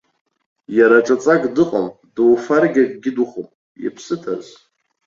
Иара ҿаҵак дыҟам, дуфаргьы акгьы духәом, иԥсы ҭаз.